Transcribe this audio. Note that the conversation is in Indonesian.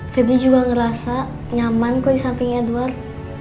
febri juga ngerasa nyaman kok di samping edward